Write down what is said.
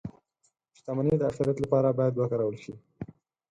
• شتمني د آخرت لپاره باید وکارول شي.